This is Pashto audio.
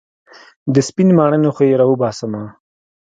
د سپينې ماڼۍ نه خو يې راوباسمه.